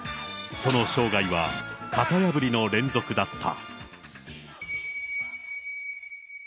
その生涯は、型破りの連続だった。